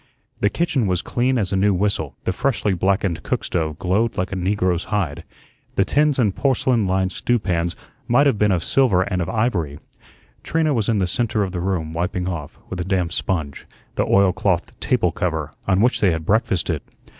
The kitchen was clean as a new whistle; the freshly blackened cook stove glowed like a negro's hide; the tins and porcelain lined stew pans might have been of silver and of ivory. Trina was in the centre of the room, wiping off, with a damp sponge, the oilcloth table cover, on which they had breakfasted.